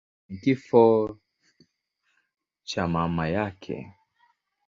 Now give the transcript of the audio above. kwenye kifo cha mama yake.